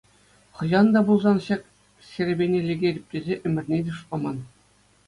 Хӑҫан та пулсан ҫак серепене лекетӗп тесе ӗмӗрне те шутламан.